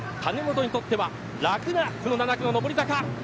つまり谷本にとっては楽なこの７区の上り坂。